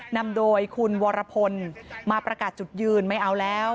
นำโดยคุณวรพลมาประกาศจุดยืนไม่เอาแล้ว